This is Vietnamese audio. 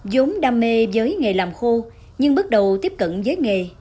giống đam mê với nghề làm khô nhưng bước đầu tiếp cận với nghề